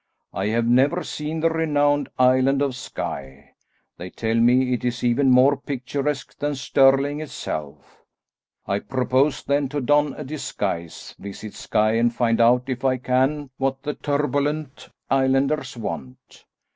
I have never seen the renowned island of Skye. They tell me it is even more picturesque than Stirling itself. I propose then to don a disguise, visit Skye, and find out if I can what the turbulent islanders want.